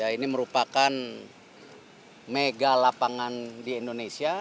ini merupakan mega lapangan di indonesia